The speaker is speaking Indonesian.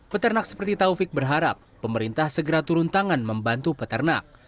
peternak seperti taufik berharap pemerintah segera turun tangan membantu peternak